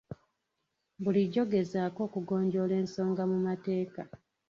Bulijjo gezaako okugonjoola ensonga mu mateeka.